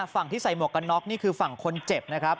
ฝั่งที่ใส่หมวกกันน็อกนี่คือฝั่งคนเจ็บนะครับ